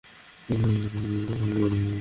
দ্বিতীয়ত, তার লাভের জন্য খুন করা হয়েছে।